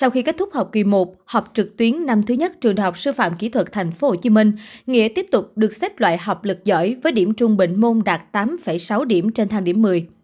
sau khi kết thúc học kỳ một học trực tuyến năm thứ nhất trường đại học sư phạm kỹ thuật tp hcm nghĩa tiếp tục được xếp loại học lực giỏi với điểm trung bình môn đạt tám sáu điểm trên thang điểm một mươi